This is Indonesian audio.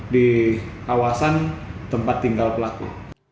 di kawasan tempat tinggal pelaku